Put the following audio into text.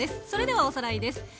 それではおさらいです。